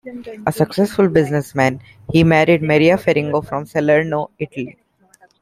A successful businessman, he married Maria Ferrigno from Salerno, Italy.